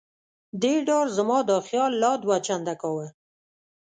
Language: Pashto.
دې ډار زما دا خیال لا دوه چنده کاوه.